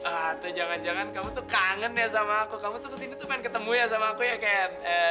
aduh jangan jangan kamu tuh kangen ya sama aku kamu tuh kesini tuh pengen ketemu ya sama aku ya kan